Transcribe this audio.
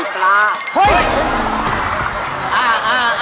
ไอ้ปลาโพยเฮ่ย